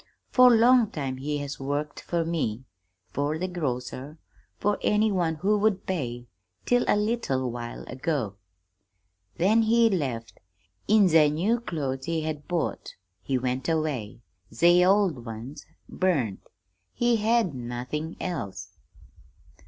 For long time he has worked for me, for the grocer, for any one who would pay till a leetle while ago. Then he left. In ze new clothes he had bought, he went away. Ze old ones burned. He had nothing else.'